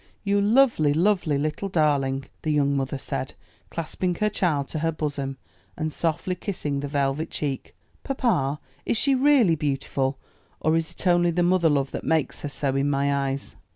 you lovely, lovely little darling!" the young mother said, clasping her child to her bosom, and softly kissing the velvet cheek. "Papa, is she really beautiful? or is it only the mother love that makes her so in my eyes?"